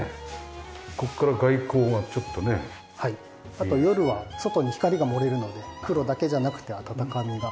あと夜は外に光が漏れるので黒だけじゃなくて温かみが。